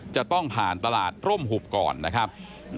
จะต้องผ่านตลาดร่มหุบก่อนนะครับ